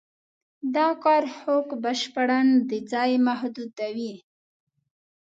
دا کار خوک بشپړاً د ځای محدودوي.